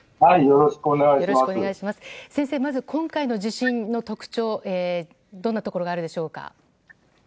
先生、まず今回の地震の特徴どんなところがあるでしょうか。